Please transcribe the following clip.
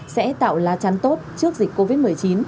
sẽ tạo lá chắn tốt trước dịch covid một mươi chín